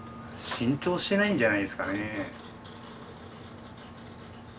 浸透してないんじゃないですかね。